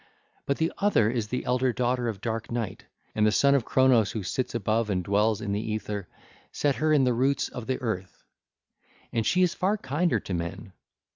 But the other is the elder daughter of dark Night, and the son of Cronos who sits above and dwells in the aether, set her in the roots of the earth: and she is far kinder to men.